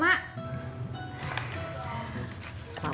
mak mau cobain